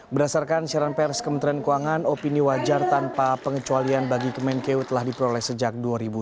berdasarkan siaran pers kementerian keuangan opini wajar tanpa pengecualian bagi kemenkeu telah diperoleh sejak dua ribu tujuh belas